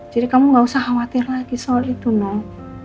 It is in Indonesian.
jadi kamu gak usah khawatir lagi soal itu noh